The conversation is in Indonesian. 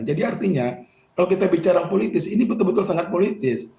jadi artinya kalau kita bicara politis ini betul betul sangat politis